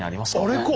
あれか！